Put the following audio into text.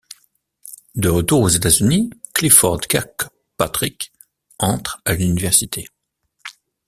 De retour aux États-unis, Clifford Kirkpatrick entre à l'université.